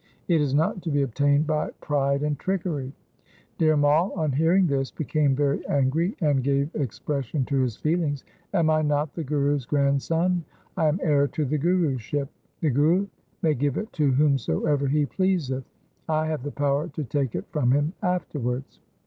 It is not to be obtained by pride and trickery.' Dhir Mai on hearing this became very angry, and gave expression to his feelings, ' Am I not the Guru's grandson ? I am heir to the Guruship. The Guru may give it to whomsoever he pleaseth. I have the power to take it from him afterwards.